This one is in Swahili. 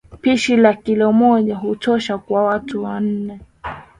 Pishi la kilo moja hutosha kwa watu nne